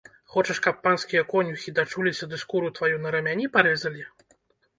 Хочаш, каб панскія конюхі дачуліся ды скуру тваю на рамяні парэзалі?